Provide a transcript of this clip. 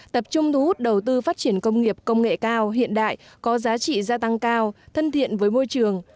tập trung thu hút đầu tư phát triển công nghiệp công nghệ cao hiện đại có giá trị gia tăng cao thân thiện với môi trường